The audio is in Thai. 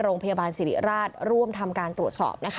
โรงพยาบาลสิริราชร่วมทำการตรวจสอบ